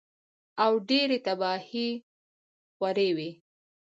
او ډېرې تباهۍ خوروي